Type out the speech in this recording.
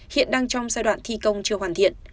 hiện đang trong giai đoạn thi công chưa hoàn thiện